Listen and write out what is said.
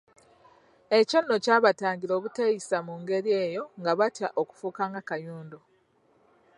Ekyo nno kyabatangira obuteeyisa mu ngeri eyo nga batya okufuuka nga Kayondo.